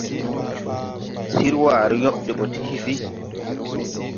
Sir waaré yob de ɓɔ ti hisi.